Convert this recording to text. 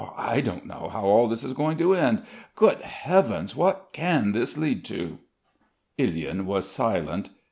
I don't know how all this is going to end Good Heavens! What can all this lead to?" Ilyin was silent.